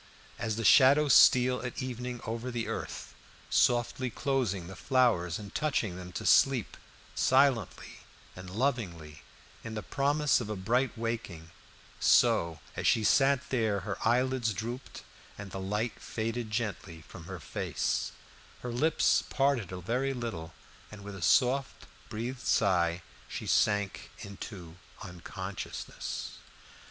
As the shadows steal at evening over the earth, softly closing the flowers and touching them to sleep, silently and lovingly, in the promise of a bright waking so, as she sat there, her eyelids drooped and the light faded gently from her face, her lips parted a very little, and with a soft breathed sigh she sank into unconsciousness.